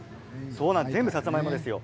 全部さつまいもですよ